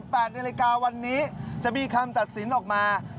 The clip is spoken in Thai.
๑๘วันในราคาวันนี้จะมีคำตัดสินออกมา